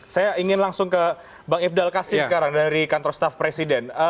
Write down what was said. saya ingin langsung ke bang ifdal kasim sekarang dari kantor staff presiden